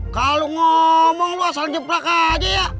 kalo ngomong lu asal jeprak aja ya